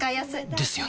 ですよね